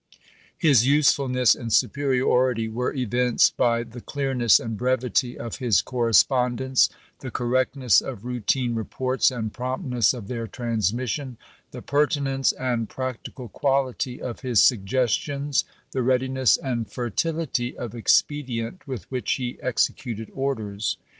His usefulness and superiority were evinced by the clearness and brevity of his correspondence, the correctness of routine reports and promptness of their transmission, the pertinence and practical quality of his suggestions, the readiness and fer tility of expedient with which he executed orders.